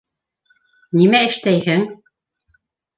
Нимә эштәйһең...